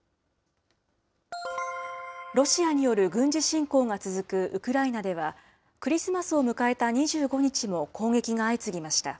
ロシアによる軍事侵攻が続くウクライナでは、クリスマスを迎えた２５日も攻撃が相次ぎました。